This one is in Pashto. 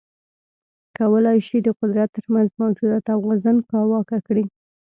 کولای شي د قدرت ترمنځ موجوده توازن کاواکه کړي.